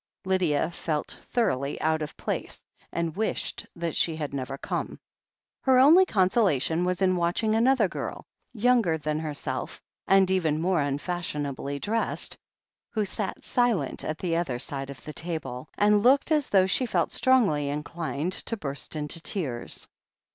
Lydia felt thoroughly out of place and wished tnat she had never come. Her only consolation was in watching another girl, younger than herself and even more unfashionably dressed, who sat silent at the other side of the table, 228 THE HEEL OF ACHILLES and looked as though she felt strongly inclined to burst into tears.